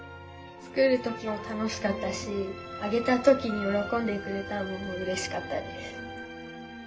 作る時も楽しかったしあげたときに喜んでくれたのもうれしかったです。